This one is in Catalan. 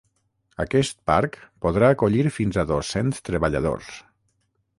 Aquest parc podrà acollir fins a dos-cents treballadors.